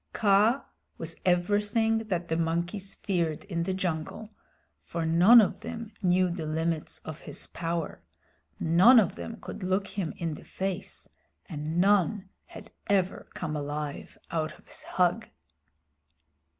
Kaa was everything that the monkeys feared in the jungle, for none of them knew the limits of his power, none of them could look him in the face, and none had ever come alive out of his hug.